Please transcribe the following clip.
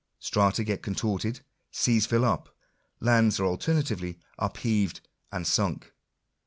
Strata get contorted; seas fill up; lands are alternately upheaved and sunk.